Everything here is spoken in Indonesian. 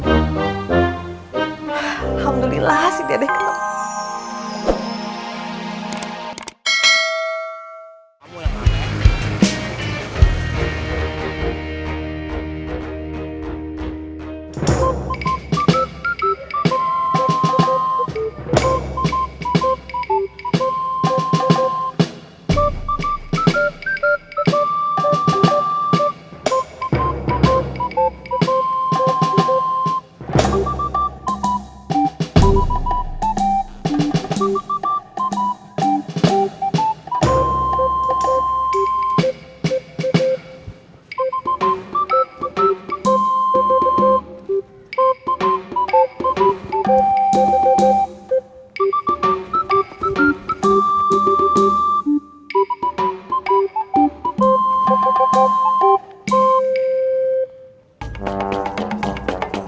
alhamdulillah sih dede ketemu